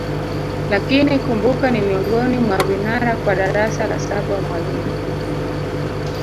Lakini kumbuka ni miongoni mwa vinara kwa darasa la saba mwalimu